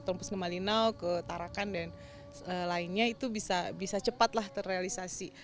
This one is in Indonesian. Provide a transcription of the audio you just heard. tempus ke malinau ke tarakan dan lainnya itu bisa cepatlah terrealisasi